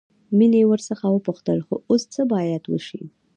مينې ورڅخه وپوښتل خو اوس څه بايد وشي.